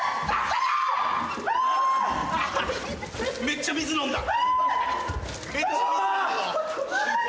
めっちゃ水飲んだ。